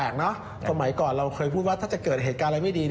สมัยก่อนเราเคยพูดว่าถ้าจะเกิดเหตุการณ์อะไรไม่ดี